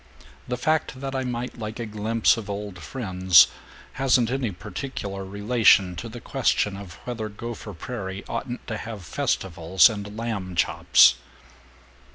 The fact that I might like a glimpse of old friends hasn't any particular relation to the question of whether Gopher Prairie oughtn't to have festivals and lamb chops."